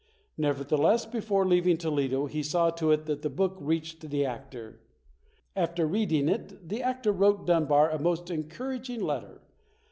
Nevertheless, before leaving Toledo, he saw to it that the book reached the actor. After reading it, the actor wrote Dunbar a most encouraging letter.